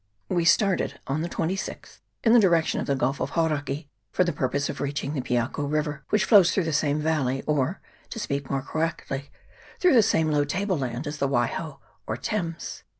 We started on the 26th in the direction of the Gulf of Hauraki, for the purpose of reaching the Piako river, which flows through the same valley, or, to speak more correctly, through the same low table land, as the Waiho, or Thames.